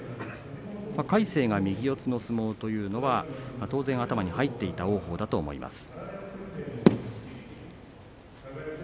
魁聖が右四つの相撲というのは当然、頭に入っていた王鵬だと思います。